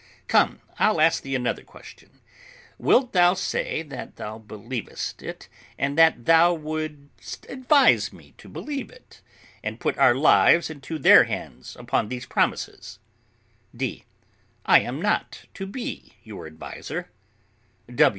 Come, I'll ask thee another question: Wilt thou say that thou believest it, and that thou wouldst advise me to believe it, and put our lives into their hands upon these promises? D. I am not to be your adviser.